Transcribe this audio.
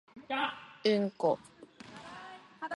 うんこ